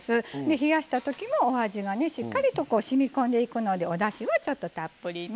冷やしたときも、おだしがしっかりとしみこんでいくのでおだしは、ちょっとたっぷりめ。